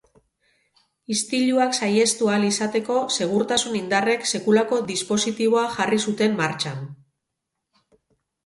Istiluak sahiestu ahal izateko segurtasun indarrek sekulako dispositiboa jarri zuten martxan.